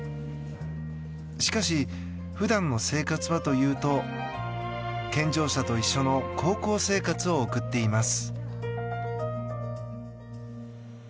しかし、普段の生活はというと健常者と一緒の高校生活を送っています。